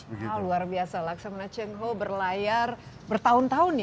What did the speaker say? wow luar biasa laksamana cheng ho berlayar bertahun tahun ya